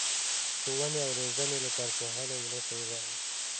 ښوونې او روزنې له کارپوهانو مرسته وغواړي.